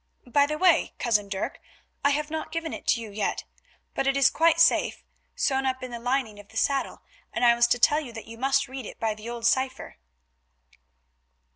By the way, cousin Dirk, I have not given it to you yet, but it is quite safe, sewn up in the lining of the saddle, and I was to tell you that you must read it by the old cypher."